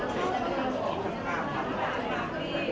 โปรดติดตามต่อไป